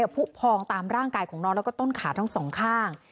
ผู้พองตามร่างกายของน้องแล้วก็ต้นขาทั้งสองข้าง